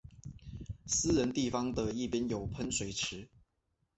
私人地方的一边有喷水池。